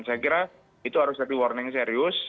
saya kira itu harus jadi warning serius